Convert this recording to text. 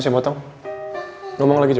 nemenin papa kamu